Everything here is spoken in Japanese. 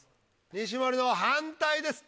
西森の「反対」です。